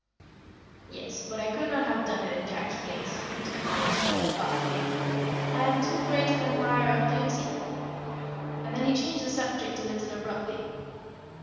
"Yes, but I could not have done it in Jack's place," returned Moritz, rather thoughtfully. "I am too great an admirer of beauty." And then he changed the subject a little abruptly.